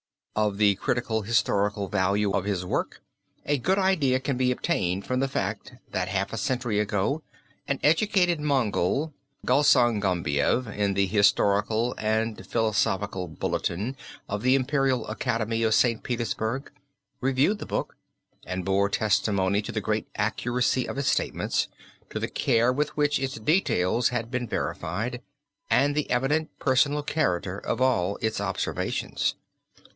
Of the critical historical value of his work a good idea can be obtained from the fact, that half a century ago an educated Mongol, Galsang Gombeyev, in the Historical and Philological Bulletin of the Imperial Academy of St. Petersburg, reviewed the book and bore testimony to the great accuracy of its statements, to the care with which its details had been verified, and the evident personal character of all its observations.